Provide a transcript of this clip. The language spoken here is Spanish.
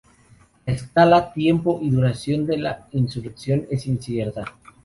La escala, tiempo y duración de la insurrección es incierta.